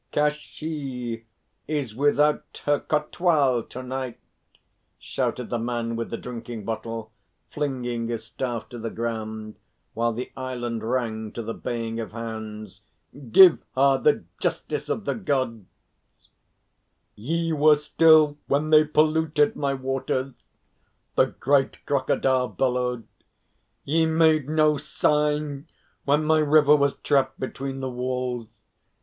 "Kashi is without her Kotwal to night," shouted the Man with the drinking bottle, flinging his staff to the ground, while the island rang to the baying of hounds. "Give her the Justice of the Gods." "Ye were still when they polluted my waters," the great Crocodile bellowed. "Ye made no sign when my river was trapped between the walls.